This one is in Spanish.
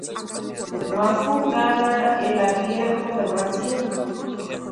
Massú gana el Abierto de Brasil.